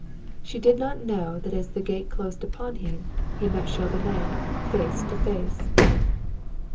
She did not know that as the gate closed upon him he met Chauvenet face to face.